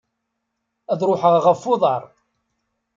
Ad ruḥeɣ ɣef uḍar.